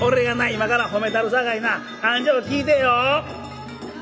今から褒めたるさかいなあんじょう聞いてぇよ」。